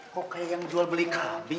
kok kayak yang jual beli kambing